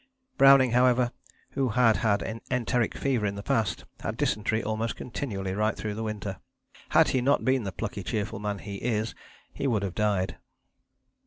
Browning, however, who had had enteric fever in the past, had dysentery almost continually right through the winter. Had he not been the plucky, cheerful man he is, he would have died.